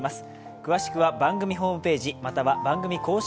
詳しくは番組ホームページ、または番組公式